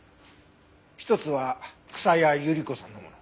一つは草谷ゆり子さんのもの。